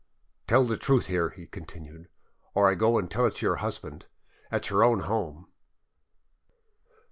"Tell the truth here," he continued, "or I go and tell it to your husband, at your own home!"